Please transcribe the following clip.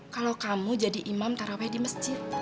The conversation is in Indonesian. kalau kamu jadi imam taraweh di masjid